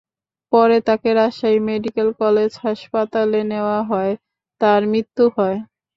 পরে তাঁকে Rajshahi medical college হাসপাতালে নেওয়া হলে তাঁর মৃত্যু হয়।